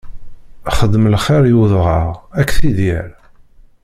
Xdem lxiṛ i udɣaɣ, ad k-t-id-yerr!